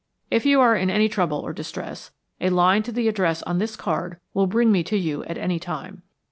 If you are in any trouble or distress, a line to the address on this card will bring me to you at any time.